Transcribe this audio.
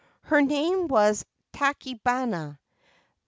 Her name was Tachibana.